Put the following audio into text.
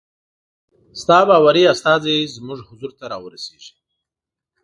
ستا باوري استازی زموږ حضور ته را ورسیږي.